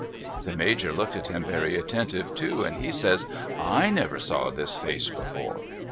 The Major looked at him very attentive too, and he says :'/ never saw this face before.'